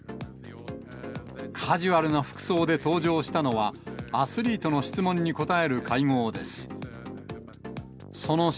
カジュアルな服装で登場したのは、アスリートの質問に答える会合です。